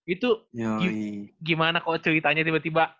itu gimana kok ceritanya tiba tiba